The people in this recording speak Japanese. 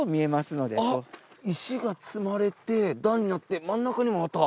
石が積まれて段になって真ん中にもまた石があります。